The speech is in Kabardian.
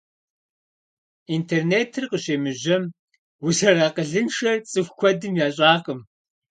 Интернетыр къыщемыжьэм, узэрыакъылыншэр цӏыху куэдым ящӏакъым.